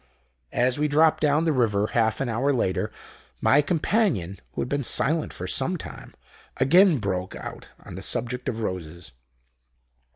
"As we dropped down the river half an hour later, my companion, who had been silent for some time, again broke out on the subject of roses.